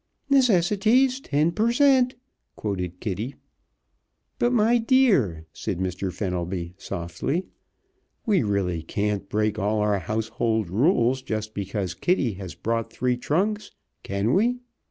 "'Necessities, ten per cent.,'" quoted Kitty. "But, my dear," said Mr. Fenelby, softly, "we really can't break all our household rules just because Kitty has brought three trunks, can we?